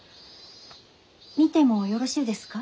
見てもよろしいですか？